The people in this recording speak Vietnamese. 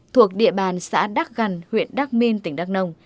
thuộc địa bàn xã đắk gần huyện đắk minh tỉnh đắk nông